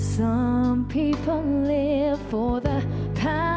สวัสดีค่ะ